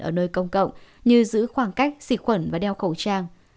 ở nơi công cộng như giữ khoảng cách xịt khuẩn và đeo khẩu trang